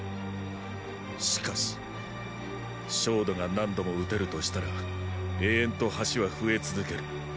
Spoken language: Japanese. しかし庄弩が何度も射てるとしたら延々と橋は増え続ける。